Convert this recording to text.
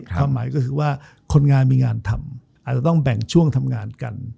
ความหมายก็คือว่าคนงานมีงานทำอาจจะต้องแบ่งช่วงทำงานกัน